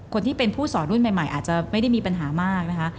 คนที่เป็นผู้สอนรุ่นใหม่อาจจะไม่ได้มีปัญหามากนะคะ